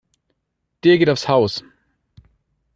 Der geht aufs Haus.